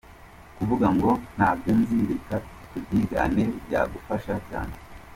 Kuvuga ngo, ntabyo nzi, reka tubyigane, byagufasha cyane.